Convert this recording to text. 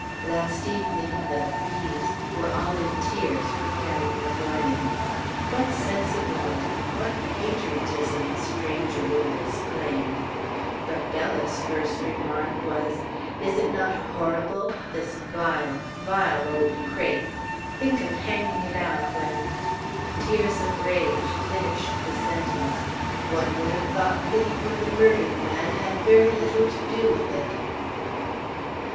Last evening the B s were all in tears, preparing their mourning. What sensibility! What patriotism! a stranger would have exclaimed. But Bella's first remark was: "Is it not horrible? This vile, vile old crape! Think of hanging it out when " Tears of rage finished the sentence. One would have thought pity for the murdered man had very little to do with it.